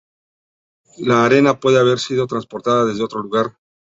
La arena puede haber sido transportada desde otro lugar.